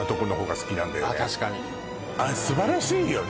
確かに素晴らしいよね